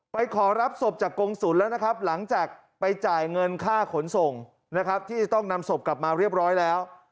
ขอรับศพจากกงศูนย์แล้วนะครับหลังจากไปจ่ายเงินค่าขนส่งนะครับที่จะต้องนำศพกลับมาเรียบร้อยแล้ว